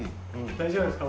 大丈夫ですか？